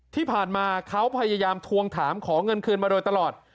ที่ผ่านมาเขาพยายามทวงถามขอเงินคืนมาโดยตลอด